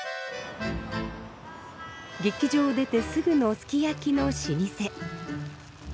劇場を出てすぐのすき焼きの老舗。